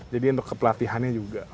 jadi untuk kepelatihannya juga